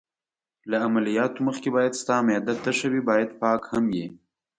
له عملیاتو مخکې باید ستا معده تشه وي، باید پاک هم یې.